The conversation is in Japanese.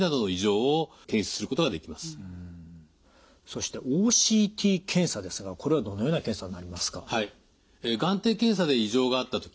そしてＯＣＴ検査ですがこれはどのような検査になりますか？